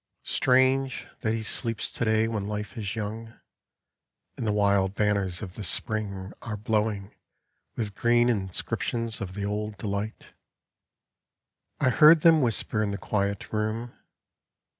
Strange that he sleeps to day when Life is young, And the wild banners of the Spring are blowing With green inscriptions of the old delight." I heard them whisper in the quiet room.